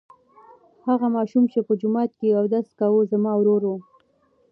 هغه ماشوم چې په جومات کې اودس کاوه زما ورور و.